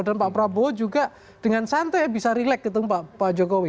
dan pak prabowo juga dengan santai bisa relax ketemu pak jokowi